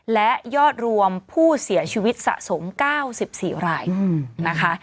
และยอดรวมผู้เสียชีวิตสะสม๙๔รายนะคะ